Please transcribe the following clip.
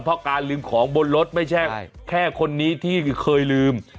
เพราะการลืมของบนรถไม่ใช่แค่คนนี้ที่เคยลืม